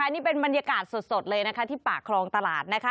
นี่เป็นบรรยากาศสดเลยที่ปากครองตลาด